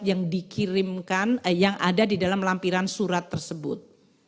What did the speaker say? yang dikirimkan yang ada di dalam lampiran surat tersebut